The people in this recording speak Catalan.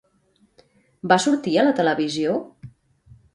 Va sortir a la televisió?